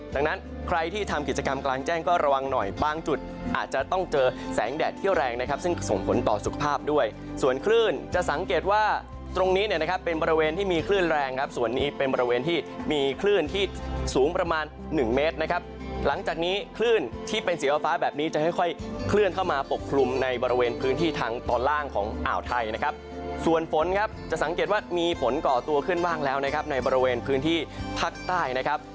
ดังนั้นใครที่ทำกิจกรรมกลางแจ้งก็ระวังหน่อยบางจุดอาจจะต้องเจอแสงแดดเที่ยวแรงนะครับซึ่งส่งผลต่อสุขภาพด้วยส่วนคลื่นจะสังเกตว่าตรงนี้เนี่ยนะครับเป็นบริเวณที่มีคลื่นแรงครับส่วนนี้เป็นบริเวณที่มีคลื่นที่สูงประมาณหนึ่งเมตรนะครับหลังจากนี้คลื่นที่เป็นเสียวฟ้าแบบนี้จะค่อย